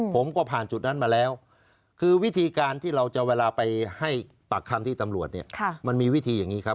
ผมก็ผ่านจุดนั้นมาแล้วคือวิธีการที่เราจะเวลาไปให้ปากคำที่ตำรวจเนี่ยมันมีวิธีอย่างนี้ครับ